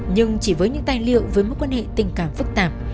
nhưng chỉ với những tài liệu với mối quan hệ tình cảm phức tạp